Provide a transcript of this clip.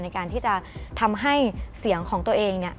ในการที่จะทำให้เสียงของตัวเองเนี่ย